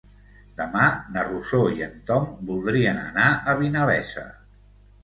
Demà na Rosó i en Tom voldrien anar a Vinalesa.